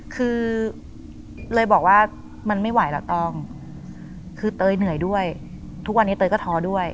คือเลยบอกว่ามันไม่ไหวแล้วต้องคือเตยเหนื่อยด้วยทุกวันนี้เตยก็ท้อด้วย